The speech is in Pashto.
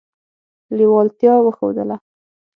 لېوالتیا وښودله.